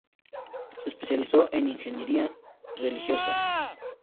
Se especializó en imaginería religiosa.